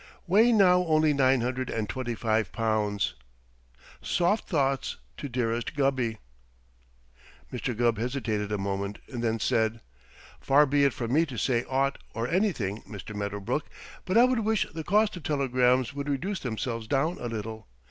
Weigh now only nine hundred and twenty five pounds. Soft thoughts to dearest Gubby. Mr. Gubb hesitated a moment and then said: "Far be it from me to say aught or anything, Mr. Medderbrook, but I would wish the cost of telegrams would reduce themselves down a little.